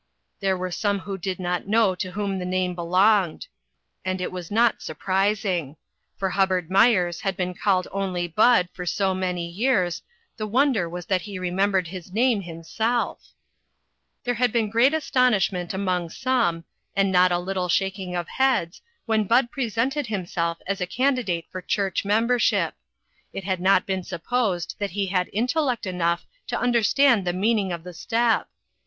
There were some who did not know to whom the name belonged ; and it was not surprising, for Hubbard Myers had been called only Bud for so many years, the wonder was that he remembered his name himself. 368 INTERRUPTED. There had been great astonishment among some, and not a little shaking of heads, when Bud presented himself as a candidate for church membership. It had not been supposed that he had intellect enough to understand the meaning of the step.